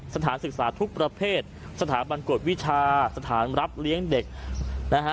สถานศึกษาทุกประเภทสถาบันกวดวิชาสถานรับเลี้ยงเด็กนะฮะ